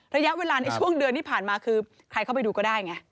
ระยะเวลาในช่วงเดือนที่ผ่านมาคือใครเข้าไปดูก็ได้ไง